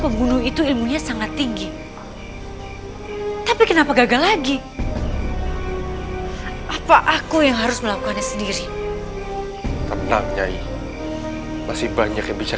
abu abu fuji pastukan referensi saat itu